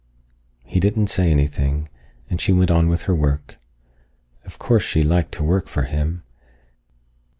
He didn't say anything, and she went on with her work. Of course she liked to work for him.